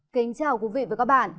kính chào quý vị và các bạn